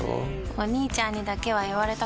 お兄ちゃんにだけは言われたくないし。